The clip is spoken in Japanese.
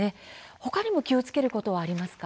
他に気をつけることはありますか。